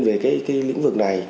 về cái lĩnh vực này